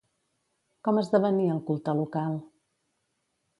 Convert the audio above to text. Com esdevenia el culte local?